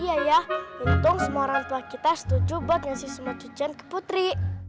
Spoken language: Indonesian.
iya ya untung semua orang tua kita setuju buat ngasih semua cucian ke putri